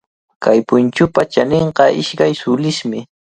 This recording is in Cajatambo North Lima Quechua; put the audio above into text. Kay punchupa chaninqa ishkay sulismi.